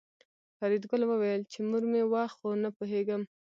فریدګل وویل چې مور مې وه خو نه پوهېږم